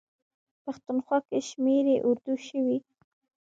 پښتونخوا کې شمېرې اردو شوي.